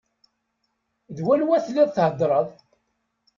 D wanwa telliḍ theddreḍ?